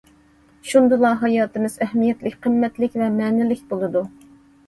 شۇندىلا ھاياتىمىز ئەھمىيەتلىك، قىممەتلىك ۋە مەنىلىك بولىدۇ.